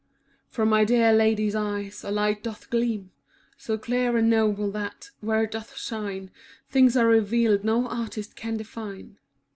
v^^^ From my dear Lady's eyes a light doth gleam, So clear and noble that, where it doth shine, Things are revealed no artist can define.